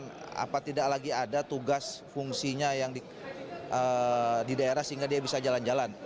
dan tidak lagi ada tugas fungsinya yang di daerah sehingga dia bisa jalan jalan